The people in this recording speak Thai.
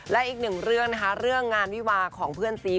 และอีกหนึ่งเรื่องนะคะเรื่องงานวิวาของเพื่อนซี